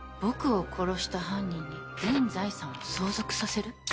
「僕を殺した犯人に全財産を相続させる？」